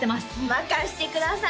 任してください！